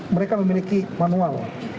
mereka memiliki manual